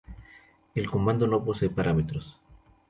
El comando no posee parámetros.